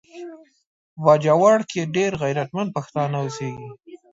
په باجوړ کې ډیر غیرتمند پښتانه اوسیږي